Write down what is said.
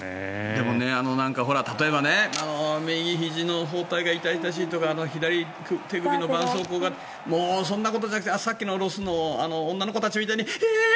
でも、例えば右ひじの包帯が痛々しいとか左手首のばんそうこうがもうそんなことじゃなくてさっきのロスの女の子たちみたいにえー！